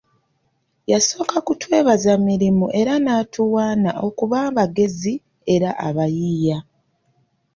Yasooka kutwebaza mirimu era n'atuwaana okuba abagezi era abayiiya.